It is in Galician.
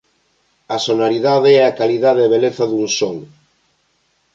A sonoridade é a calidade e beleza dun son.